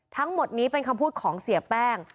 ทั้งหมดนี้เป็นคำพูดของเสียแป้ง